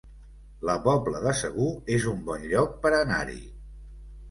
La Pobla de Segur es un bon lloc per anar-hi